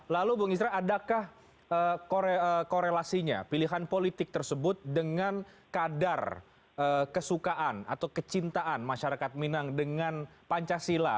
lalu bung isra adakah korelasinya pilihan politik tersebut dengan kadar kesukaan atau kecintaan masyarakat minang dengan pancasila